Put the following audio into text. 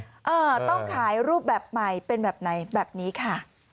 เออต้องขายรูปแบบใหม่เป็นแบบไหนแบบนี้ค่ะ